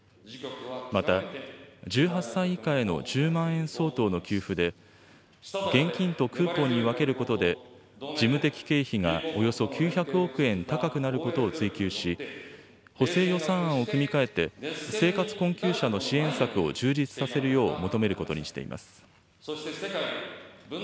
また、１８歳以下への１０万円相当の給付で、現金とクーポンに分けることで、事務的経費がおよそ９００億円高くなることを追及し、補正予算案を組み替えて、生活困窮者の支援策を充実させるよう求めることにしています。